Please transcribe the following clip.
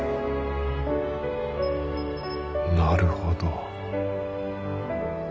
なるほど